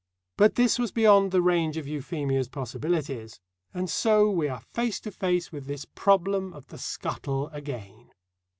But this was beyond the range of Euphemia's possibilities. And so we are face to face with this problem of the scuttle again.